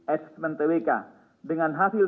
asesmen twk dengan hasil